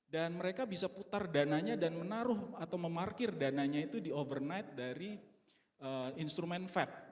dan mereka bisa putar dananya dan menaruh atau memarkir dananya itu di overnight dari instrument fed